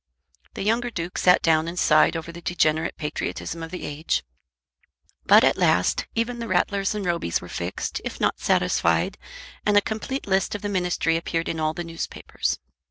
The younger Duke sat down and sighed over the degenerate patriotism of the age. But at last even the Rattlers and Robys were fixed, if not satisfied, and a complete list of the ministry appeared in all the newspapers.